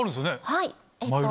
はい。